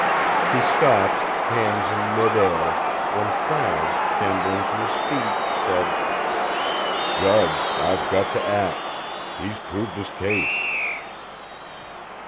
He stopped, hands in mid air, when Crown, shambling to his feet, said: "Judge, I've got to act. He's proved his case."